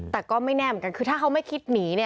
แต่ก็ไม่แน่เหมือนกันคือถ้าเขาไม่คิดหนีเนี่ย